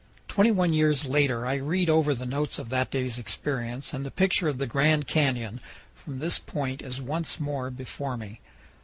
Twenty one years later I read over the notes of that day's experience and the picture of the Grand Canyon from this point is once more before me.